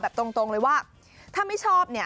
แบบตรงเลยว่าถ้าไม่ชอบ